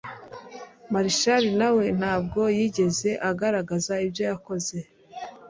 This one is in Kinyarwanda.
Marshall nawe ntabwo yigeze agaragaza ibyo yakoze